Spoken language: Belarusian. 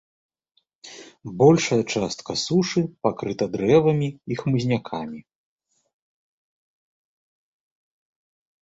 Большая частка сушы пакрыта дрэвамі і хмызнякамі.